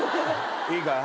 いいか。